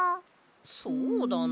そうだな。